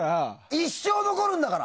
一生残るんだから。